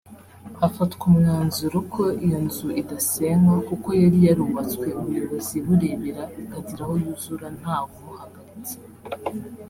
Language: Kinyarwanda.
hafatwa umwanzuro ko iyo nzu idasenywa kuko yari yarubatswe ubuyobozi burebera ikagera aho yuzura ntawe umuhagaritse